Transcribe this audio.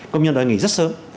công nhân đó nghỉ rất sớm